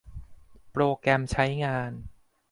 โปรแกรมใช้งาน